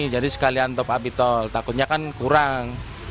jadi sekalian top api tol takutnya kan kurang